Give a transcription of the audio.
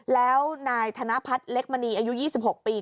แล้วนายธนพัฒน์เล็กมณีอายุ๒๖ปี